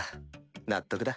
納得だ。